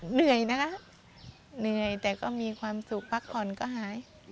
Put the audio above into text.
เหนื่อยนะคะเหนื่อยแต่ก็มีความสุขพักผ่อนก็หาย